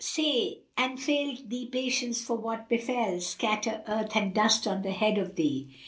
Say, 'An fail thee patience for what befel * Scatter earth and dust on the head of thee!